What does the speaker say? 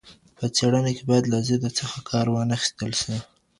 په څېړنه کې باید له ضد څخه کار وانه خیستل سی.